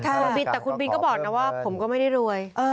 คุณบินแต่คุณบินก็บอกนะว่าผมก็ไม่ได้รวย